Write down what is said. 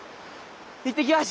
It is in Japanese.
行ってきます。